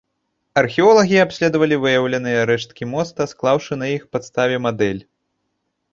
Археолагі абследавалі выяўленыя рэшткі моста, склаўшы на іх падставе мадэль.